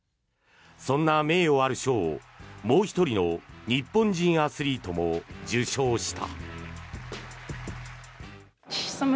そんな名誉ある賞をもう１人の日本人アスリートも受賞した。